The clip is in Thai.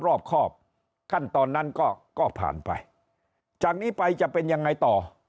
รอบครอบขั้นตอนนั้นก็ก็ผ่านไปจากนี้ไปจะเป็นยังไงต่อ